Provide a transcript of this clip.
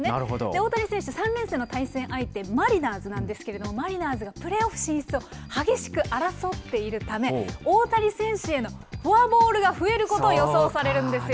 大谷選手、３連戦の対戦相手、マリナーズなんですけれども、マリナーズがプレーオフ進出を激しく争っているため、大谷選手へのフォアボールが増えることが予想されるんですよ。